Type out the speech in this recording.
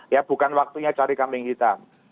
ya bukan waktunya cari kambing hitam